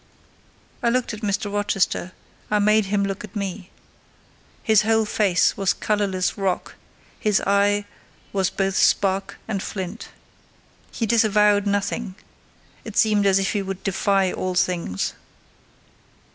I looked at Mr. Rochester: I made him look at me. His whole face was colourless rock: his eye was both spark and flint. He disavowed nothing: he seemed as if he would defy all things.